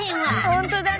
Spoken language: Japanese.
本当だね。